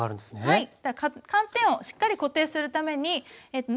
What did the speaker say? はい。